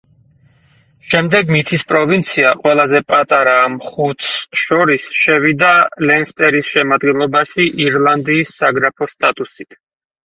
შემდეგ მითის პროვინცია, ყველაზე პატარა ამ ხუთს შორის, შევიდა ლენსტერის შემადგენლობაში ირლანდიის საგრაფოს სტატუსით.